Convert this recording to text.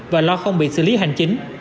và lo không bị xử lý hành chính